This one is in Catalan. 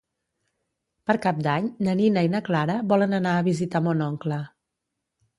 Per Cap d'Any na Nina i na Clara volen anar a visitar mon oncle.